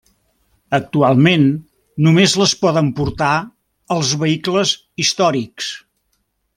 Actualment només les poden portar els vehicles històrics.